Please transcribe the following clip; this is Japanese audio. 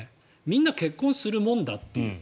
みんな結婚するものだという。